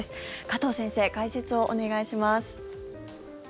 加藤先生、解説をお願いします。